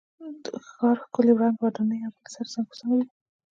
د ښار ښکلی رنګه ودانۍ یو بل سره څنګ په څنګ وې.